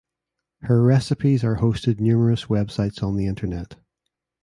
Her recipes are hosted numerous websites on the internet.